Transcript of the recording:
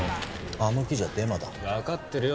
あの記事はデマだ分かってるよ